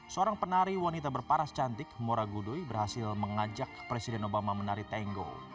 seorang penari wanita berparas cantik mora gudoy berhasil mengajak presiden obama menari tango